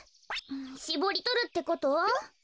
しぼりとるってこと？